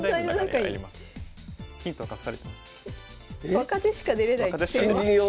若手しか出れない棋戦は？